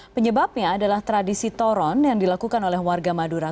penyebabnya adalah tradisi toron yang dilakukan oleh warga madura